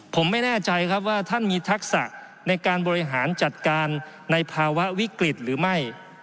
ผมไม่แน่ใจครับว่าท่านมีทักษะในการบริหารจัดการในภาวะวิกฤตหรือไม่